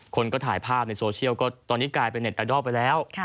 คนก็ถ่ายภาพในโซเชียลก็ตอนนี้กลายเป็นเน็ตไอดอลไปแล้ว